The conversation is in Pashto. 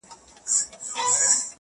ورته یاد سي خپل اوږده لوی سفرونه -